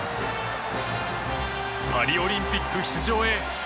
パリオリンピック出場へ。